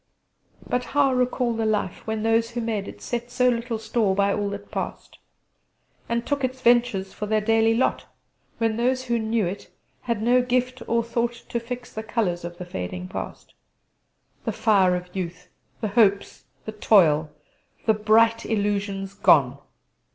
But how recall the life when those who made it set so little store by all that passed, and took its ventures for their daily lot; when those who knew it had no gift or thought to fix the colours of the fading past: the fire of youth; the hopes; the toil; the bright illusions gone!